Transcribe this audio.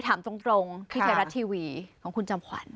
ถามตรงที่ไทยรัฐทีวีของคุณจอมขวัญ